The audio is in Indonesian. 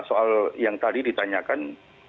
soal yang tadi ditanyakan